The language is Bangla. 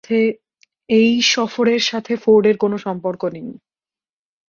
এই সফরের সাথে ফোর্ডের কোন সম্পর্ক নেই।